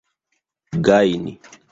gajni